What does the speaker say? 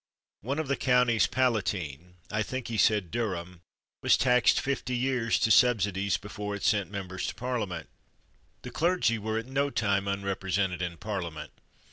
One of the counties palatine (I think he said Durham) was taxed fifty years to subsidies be fore it sent members to Parliament. The clergy were at no time unrepresented in Parliament.